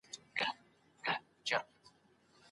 هر تمدن یو پیل او یو پای لري.